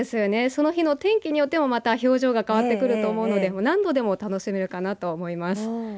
その日の天気によっても表情が変わってくると思うので何度でも何度でも楽しめるかなと思います。